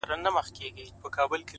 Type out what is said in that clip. سیاه پوسي ده، قندهار نه دی،